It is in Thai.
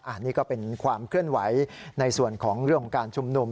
อันนี้ก็เป็นความเคลื่อนไหวในส่วนของเรื่องของการชุมนุม